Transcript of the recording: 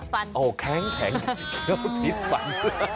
ฟันเข้าทิ้งฟันโอ้โฮแข็ง